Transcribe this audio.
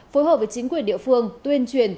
phối hợp với chính quyền địa phương tuyên truyền